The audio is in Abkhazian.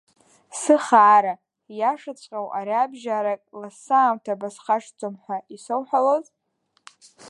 Сыхаара, ииашаҵәҟьоу ариабжьарак лассамҭа бысхашҭӡом ҳәа исауҳәалоз?